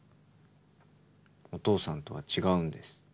お父さんとは違うんです。